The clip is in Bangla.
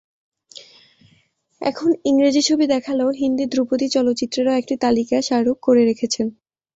এখন ইংরেজি ছবি দেখালেও হিন্দি ধ্রুপদি চলচ্চিত্রেরও একটি তালিকা শাহরুখ করে রেখেছেন।